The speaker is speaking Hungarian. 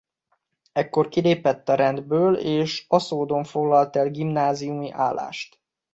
Ekkor kilépett a rendből és Aszódon foglalt el gimnáziumi állást.